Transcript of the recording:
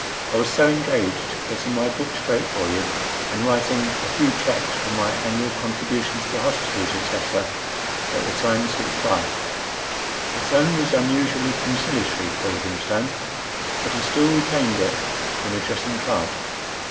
I was so engaged getting my book straight for you, and writing—a few cheques for my annual contributions to hospitals, etc.,—that the time slipped by—" The tone was unusually conciliatory for Livingstone; but he still retained it in addressing Clark.